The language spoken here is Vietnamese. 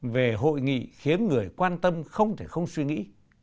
về hội nghị khiến người quan tâm không thể không suy nghĩ